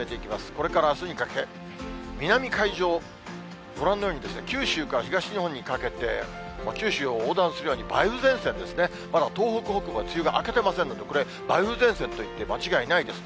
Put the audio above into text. これからあすにかけ、南海上、ご覧のように、九州から東日本にかけて、九州を横断するように梅雨前線ですね、まだ東北北部は梅雨が明けてませんので、これ、梅雨前線と言って、間違いないです。